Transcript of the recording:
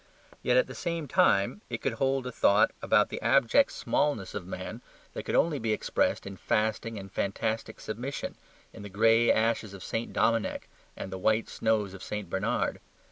Yet at the same time it could hold a thought about the abject smallness of man that could only be expressed in fasting and fantastic submission, in the gray ashes of St. Dominic and the white snows of St. Bernard.